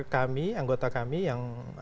kami anggota kami yang